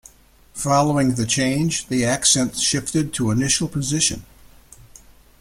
Following the change, the accent shifted to initial position.